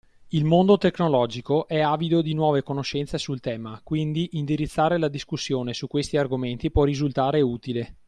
Il mondo tecnologico è avido di nuove conoscenze sul tema quindi indirizzare la discussione su questi argomenti può risultare utile.